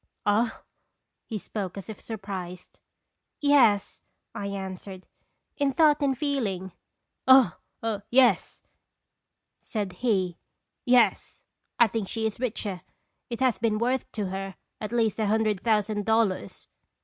" Ah?" He spoke as if surprised. "Yes," 1 answered; "in thought and feeling." " Oh yes," said he; " yes, I think she is richer. It has been worth to her at least a hundred thousand dollars."